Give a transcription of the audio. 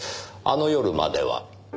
あの夜までは。